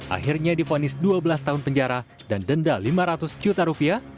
akhirnya difonis dua belas tahun penjara dan denda lima ratus juta rupiah